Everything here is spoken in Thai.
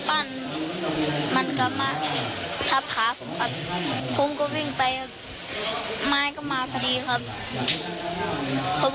ผมก็ตกลงครับให้เขาช่วยครับ